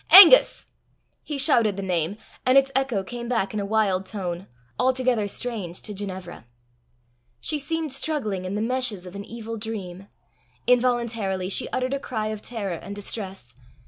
Angus!" He shouted the name, and its echo came back in a wild tone, altogether strange to Ginevra. She seemed struggling in the meshes of an evil dream. Involuntarily she uttered a cry of terror and distress.